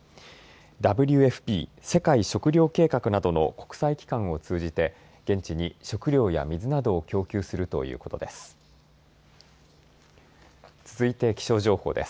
ＷＦＰ・世界食糧計画などの国際機関を通じて現地に食料や水などを供給するということです。